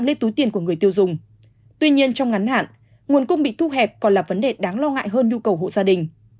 lo ngại hơn nhu cầu hộ gia đình